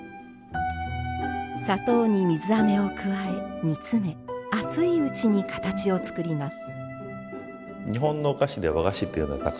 砂糖に水あめを加え煮詰め熱いうちに形を作ります。